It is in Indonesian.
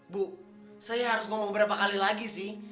bu saya harus ngomong berapa kali lagi sih